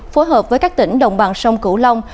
phối hợp với các tỉnh đồng bằng sông cửu long